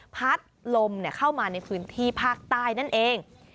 พัดลมเข้ามาในพื้นที่ภาคใต้นั่นเอง